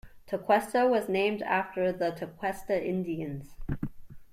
Tequesta was named after the Tequesta Indians.